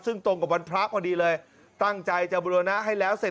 ซึ่งตรงกับวันพระพอดีเลยตั้งใจจะบุรณะให้แล้วเสร็จ